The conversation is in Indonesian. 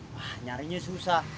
wah nyarinya susah